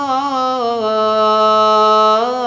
allahu akbar allah